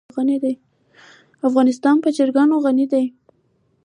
افغانستان په چرګان غني دی.